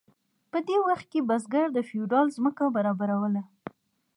په دې وخت کې بزګر د فیوډال ځمکه برابروله.